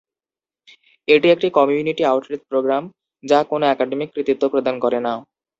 এটি একটি community outreach programme যা কোন একাডেমিক কৃতিত্ব প্রদান করে না।